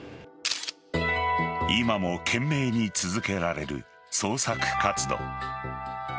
今も懸命に続けられる捜索活動。